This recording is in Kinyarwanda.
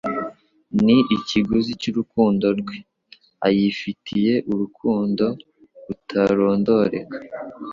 Ni ikiguzi cy'urukundo rwe. Ayifitiye urukundo rutarondereka.